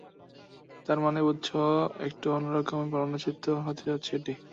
তার মানে বোঝা-ই যাচ্ছে, একটু অন্য রকমের প্রামাণ্যচিত্র হতে যাচ্ছে এটি।